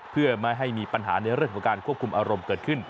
เพื่อไม่ให้มีปัญหาในเรื่องของการควบคุมอารมณ์เกิดขึ้น